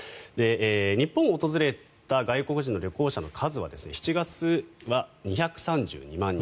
日本を訪れた外国人の旅行者の数は７月は２３２万人。